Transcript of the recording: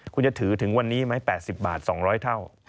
คุณจะถือถึงวันนี้ไหม๘๐บาท๒๐๐เท่า